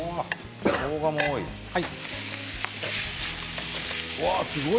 しょうがも多い。